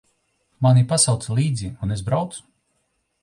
Mani pasauca līdzi, un es braucu.